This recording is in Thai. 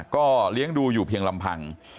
ก็เลี้ยงดูอยู่เพียงลำพัง